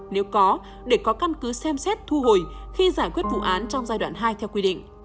nếu có để có căn cứ xem xét thu hồi khi giải quyết vụ án trong giai đoạn hai theo quy định